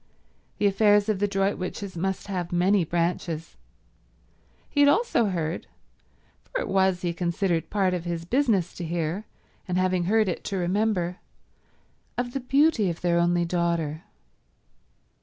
The affairs of the Droitwiches must have many branches. He had also heard—for it was, he considered, part of his business to hear, and having heard to remember—of the beauty of their only daughter.